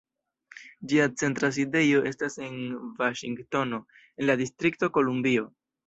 Ĝia centra sidejo estas en Vaŝingtono, en la Distrikto Kolumbio.